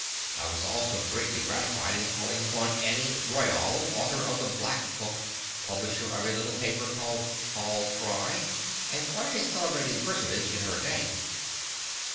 I was also greatly gratified in calling upon Anne Royall, author of the Black Book, publisher of a little paper called "Paul Pry," and quite a celebrated personage in her day.